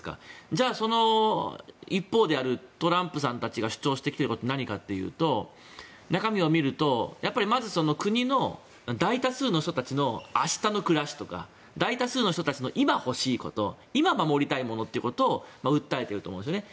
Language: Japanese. じゃあ、その一方であるトランプさんたちが主張してきていることは何かというと中身を見るとまず国の大多数の人たちの明日の暮らしとか大多数の人たちの今欲しいこと今守りたいものを訴えていると思うんですよね。